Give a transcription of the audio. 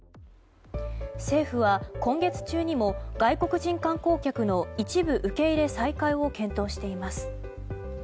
政府は今月中にも外国人観光客の一部受け入れ再開を検討しています。